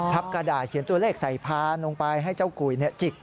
กระดาษเขียนตัวเลขใส่พานลงไปให้เจ้ากุยจิก